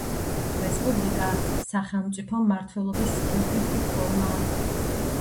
რესპუბლიკა — სახელმწიფო მმართველობის ერთ-ერთი ფორმა.